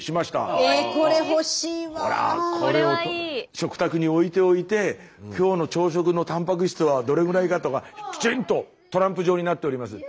食卓に置いておいて今日の朝食のたんぱく質はどれぐらいかとかきちんとトランプ状になっております。